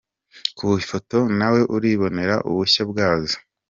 Ku ifoto na we uribonera ubushya bwazo.